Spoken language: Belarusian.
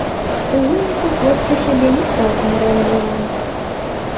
У выніку хлопцы сябе не цалкам рэалізавалі.